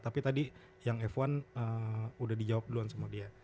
tapi tadi yang f satu udah dijawab duluan sama dia